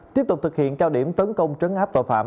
tiếp tục thực hiện cao điểm tấn công trấn áp tội phạm